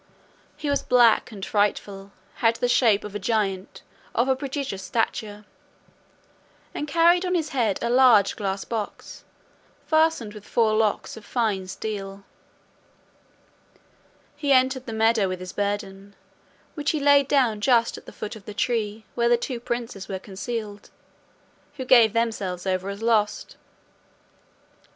He was black and frightful, had the shape of a giant, of a prodigious stature, and carried on his head a large glass box, fastened with four locks of fine steel. He entered the meadow with his burden, which he laid down just at the foot of the tree where the two princes were concealed, who gave themselves over as lost.